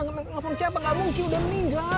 nelfon siapa nggak mungkin udah meninggal